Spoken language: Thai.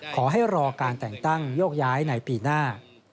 ขอให้รอการแต่งตั้งโยกย้ายในปีหน้า